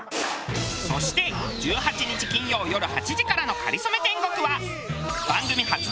そして１８日金曜よる８時からの『かりそめ天国』は。